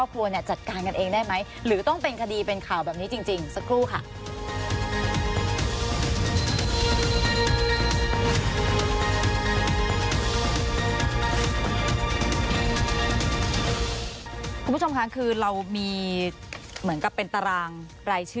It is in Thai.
ผู้ใหญ่บ้านที่สุพรรณครับอันนี้ต้องการบอกอะไรฮะ